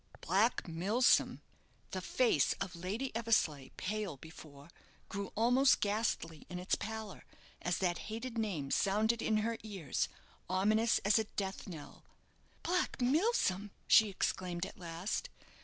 Black Milsom! the face of Lady Eversleigh, pale before, grew almost ghastly in its pallor, as that hated name sounded in her ears, ominous as a death knell. "Black Milsom!" she exclaimed at last.